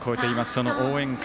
その応援歌。